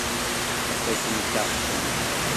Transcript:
Fakkent-aɣ-tent.